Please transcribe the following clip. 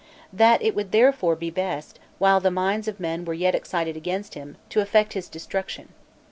That it would therefore be best, while the minds of men were yet excited against him, to effect his destruction.